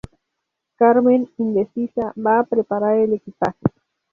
Carmen, indecisa, va a preparar el equipaje.